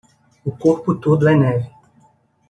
O corpo todo é neve